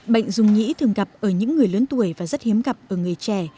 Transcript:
bệnh dung nhĩ thường gặp ở những người lớn tuổi và rất hiếm gặp ở người trẻ